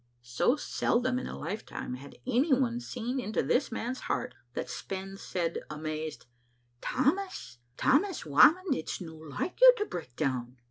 So seldom in a lifetime had any one seen into this man's heart that Spens said, amazed: "Tammas, Tammas Whamond, it's no like you to break down."